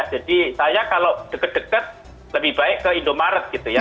saya kalau deket deket lebih baik ke indomaret gitu ya